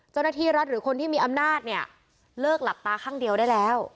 เจ้าหน้าที่รัฐหรือคนที่มีอำนาจเนี่ยเลิกหลับตาข้างเดียวได้แล้ว